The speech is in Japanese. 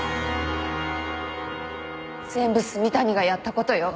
全部炭谷がやった事よ。